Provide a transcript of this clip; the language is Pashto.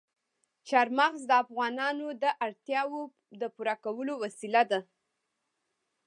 چار مغز د افغانانو د اړتیاوو د پوره کولو وسیله ده.